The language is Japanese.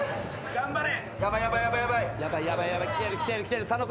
頑張れ。